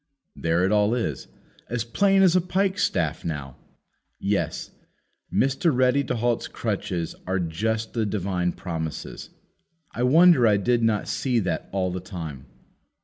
There it all is, as plain as a pike staff now! Yes; Mr. Ready to halt's crutches are just the divine promises. I wonder I did not see that all the time.